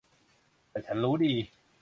แต่ฉันรู้ดี